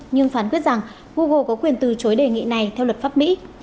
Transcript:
nhưng phán quyết rằng google có quyền từ chối đề nghị này theo luật pháp mỹ